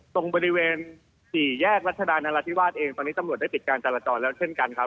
ตรงบริเวณสี่แยกรัชดานราธิวาสเองตอนนี้ตำรวจได้ปิดการจราจรแล้วเช่นกันครับ